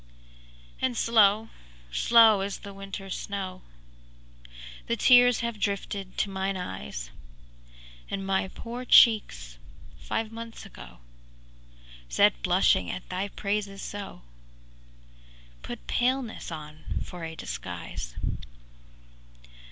And slow, slow as the winter snow The tears have drifted to mine eyes; And my poor cheeks, five months ago Set blushing at thy praises so, Put paleness on for a disguise.